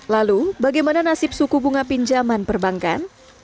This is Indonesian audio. lalu bagaimana nasib suku bunga pinjaman perbankan